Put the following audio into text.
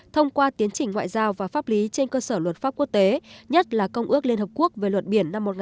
thông qua tiến trình ngoại giao và pháp lý trên cơ sở luật pháp quốc tế nhất là công ước liên hợp quốc về luật biển năm một nghìn chín trăm tám mươi hai